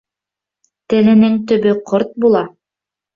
Теленең төбө ҡорт була.